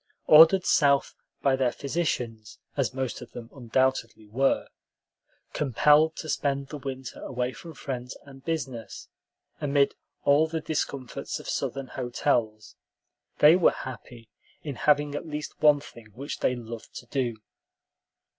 Ordered South by their physicians, as most of them undoubtedly were, compelled to spend the winter away from friends and business, amid all the discomforts of Southern hotels, they were happy in having at least one thing which they loved to do.